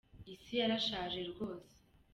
Isi yarashaje rwose.